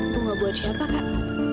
bunga buat siapa kak